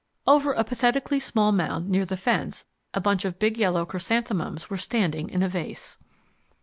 Over a pathetically small mound near the fence a bunch of big yellow chrysanthemums were standing in a vase.